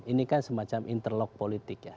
ini kan semacam interlok politik ya